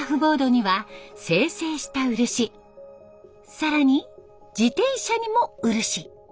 更に自転車にも漆。